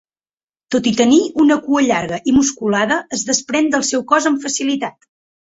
Tot i tenir una cua llarga i musculada, es desprèn del seu cos amb facilitat.